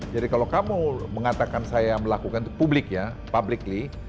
jadi kalau kamu mengatakan saya melakukan publiknya publicly